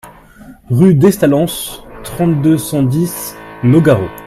Rue d'Estalens, trente-deux, cent dix Nogaro